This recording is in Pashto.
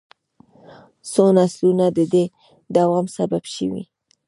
څو نسلونه د دې دوام سبب شوي.